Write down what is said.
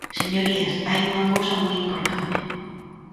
Señorías, hai unha cousa moi importante.